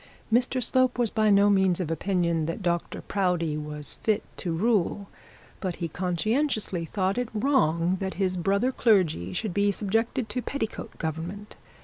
Mr Slope was by no means of the opinion that Dr Proudie was fit to rule, but he conscientiously thought it wrong that his brother clergy should be subjected to petticoat government.